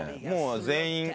もう全員。